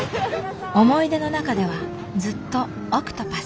思い出の中ではずっとオクトパス。